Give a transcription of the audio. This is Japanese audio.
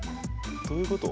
どういうこと？